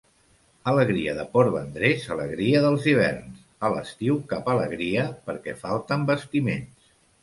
Alegria de Portvendres, alegria dels hiverns; a l'estiu cap alegria, perquè falten bastiments.